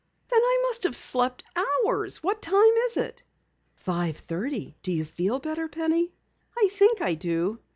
"Then I must have slept hours! What time is it?" "Five thirty. Do you feel better, Penny?" "I think I do.